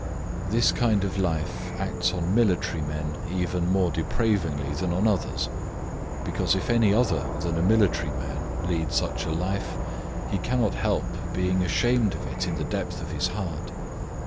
This kind of life acts on military men even more depravingly than on others, because if any other than a military man lead such a life he cannot help being ashamed of it in the depth of his heart.